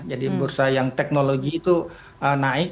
jadi bursa yang teknologi itu naik